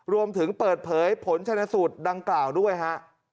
รวมถึงเปิดเผยผลชนสูตรดังกล่าวด้วยฮะ